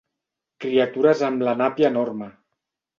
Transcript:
Criatures amb la nàpia enorme.